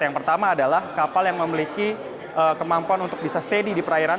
yang pertama adalah kapal yang memiliki kemampuan untuk bisa steady di perairan